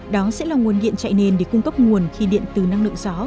đó sẽ là nguồn điện chạy nền để cung cấp nguồn khi điện từ năng lượng gió